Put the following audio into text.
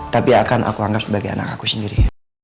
tapi akan aku anggap sebagai anakku sendiri